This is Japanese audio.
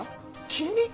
君！